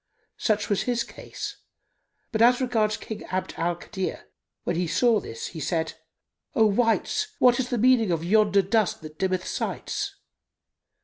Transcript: Such was his case; but as regards King Abd al Kadir, when he saw this, he said, "O wights, what is the meaning of yonder dust that dimmeth sights?"